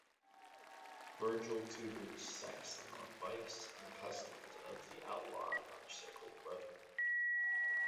Virgil tutors Saxon on bikes and customs of the outlaw motorcycle brotherhood.